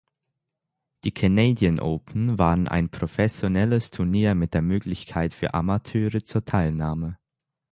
Die "Canadian Open" waren ein professionelles Turnier mit der Möglichkeit für Amateure zur Teilnahme.